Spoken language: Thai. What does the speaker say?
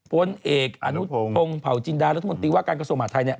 พลเอกอนุพงศ์เผาจินดารัฐมนตรีว่าการกสมหาดไทย